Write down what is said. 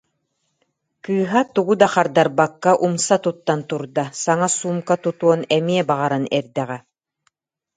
Кыыһа тугу да хардарбакка умса туттан турда, саҥа суумка тутуон эмиэ баҕаран эрдэҕэ